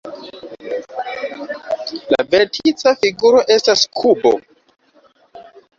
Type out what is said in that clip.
La vertica figuro estas kubo.